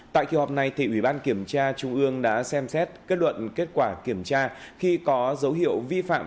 tại kỳ họp này ủy ban kiểm tra trung ương đã xem xét kết luận kết quả kiểm tra khi có dấu hiệu vi phạm